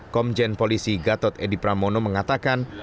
komjen polisi gatot edi pramono mengatakan